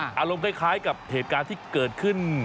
อารมณ์คล้ายกับเหตุการณ์ที่เกิดขึ้น